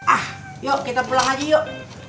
ah yuk kita pulang lagi yuk